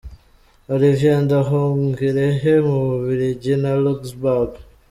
Olivier Nduhungirehe mu Bubiligi na Luxembourg.